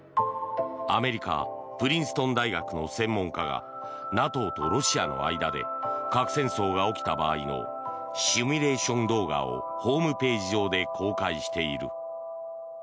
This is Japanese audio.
アメリカ、プリンストン大学の専門家がＮＡＴＯとロシアの間で核戦争が起きた場合のシミュレーション動画をホームページ上で公開している。